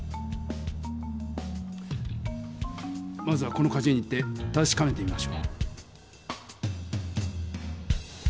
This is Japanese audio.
まずはこのかじゅ園に行ってたしかめてみましょう。